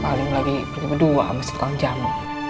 paling lagi bertemu dua masih tonton jamu